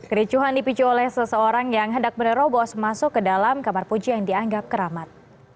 kericuhan dipicu oleh seseorang yang hendak menerobos masuk ke dalam kamar puji yang dianggap keramat